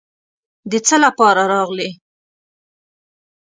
د څه لپاره راغلې.